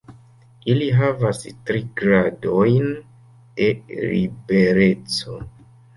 Ili havas tri gradojn de libereco.